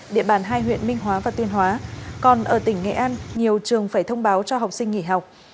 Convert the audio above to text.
địa bàn hai huyện minh hóa và tuyên hóa còn ở tỉnh nghệ an nhiều trường phải thông báo cho học sinh nghỉ học